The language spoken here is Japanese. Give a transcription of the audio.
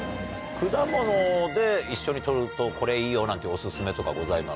果物で一緒に取るとこれいいよなんてオススメとかございますか？